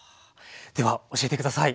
では教えて下さい。